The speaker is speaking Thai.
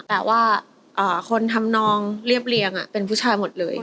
แต่ว่าคนทำนองเรียบเรียงเป็นผู้ชายหมดเลย